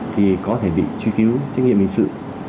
thì có thể bị truy cứu trách nhiệm hình sự